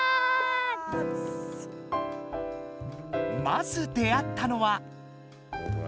まず出会ったのは？